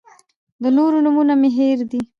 د نورو نومونه مې هېر دي.